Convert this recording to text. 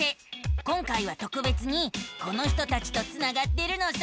今回はとくべつにこの人たちとつながってるのさ。